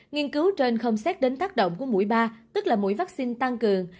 nghiên cứu trên không xét đến tác động của mũi ba tức là mũi vaccine tăng cường